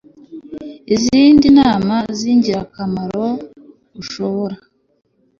izindi nama z ingirakamaro ushobora